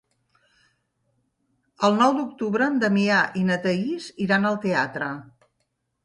El nou d'octubre en Damià i na Thaís iran al teatre.